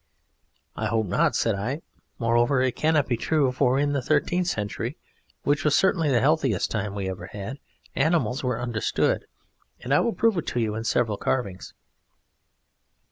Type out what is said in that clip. "I hope not," said I. "Moreover, it cannot be true, for in the Thirteenth Century, which was certainly the healthiest time we ever had, animals were understood; and I will prove it to you in several carvings."